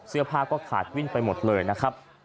เสื้อผ้าก็ขาดวิ่นไปหมดเลยนะครับ